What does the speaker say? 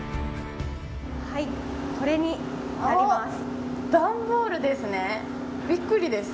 これになります。